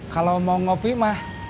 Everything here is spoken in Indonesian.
kalau mau ngopi mah